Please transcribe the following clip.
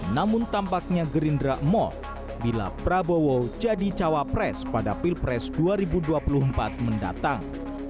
namun tampaknya gerindra mol bila prabowo jadi cawapres pada pilpres dua ribu dua puluh empat mendatang